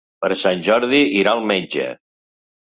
Per Sant Jordi irà al metge.